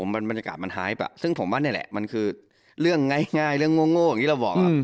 บรรยากาศมันไฮฟซึ่งผมว่านี่แหละมันคือเรื่องง่ายเรื่องโง่อย่างนี้เราบอกครับ